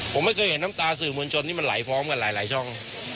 ผมไม่เคยเห็นน้ำตาสื่อมวลชนที่มันไหลพร้อมกันหลายช่อง